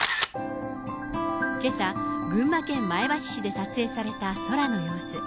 けさ、群馬県前橋市で撮影された空の様子。